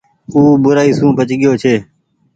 او بورآئي سون بچ گيو ڇي